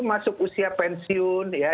masuk usia pensiun ya